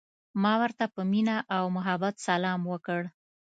ما ورته په مینه او محبت سلام وکړ.